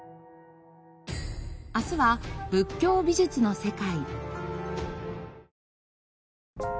明日は仏教美術の世界。